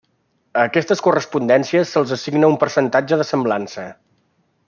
A aquestes correspondències se'ls assigna un percentatge de semblança.